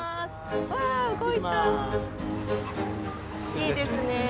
いいですね。